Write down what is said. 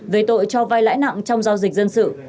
về tội cho vai lãi nặng trong giao dịch dân sự